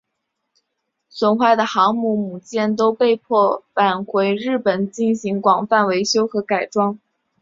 损坏的航空母舰都被迫返回日本进行广泛维修和改装。